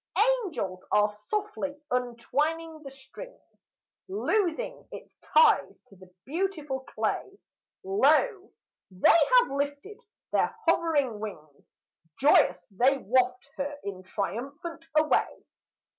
Angels are softly untwining the strings, Loosing its ties to the beautiful clay; Lo! they have lifted their hovering wings: Joyous they waft her in triumph away!